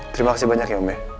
terima kasih banyak ya om ya